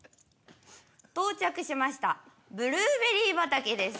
到着しましたブルーベリー畑です。